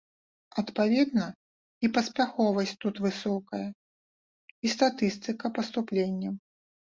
Адпаведна, і паспяховасць тут высокая, і статыстыка паступленняў.